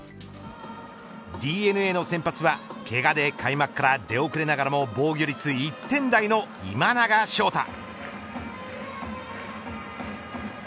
ＤｅＮＡの先発はけがで開幕から出遅れながらも防御率１点台の今永昇太。